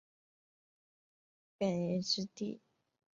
耿弇之弟耿国的玄孙。